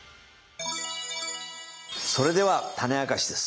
それではタネあかしです。